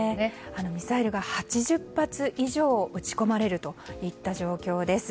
ミサイルが８０発以上撃ち込まれるといった状況です。